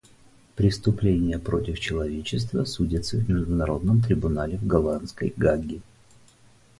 Преступления против человечества судятся в Международном трибунале в голландской Гааге.